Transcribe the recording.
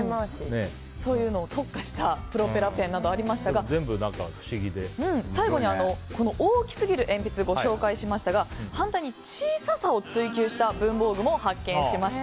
そういうのに特化したプロペラペンなどありましたが最後に大きすぎる鉛筆をご紹介しましたが反対に小ささを追求した文房具も発見しました。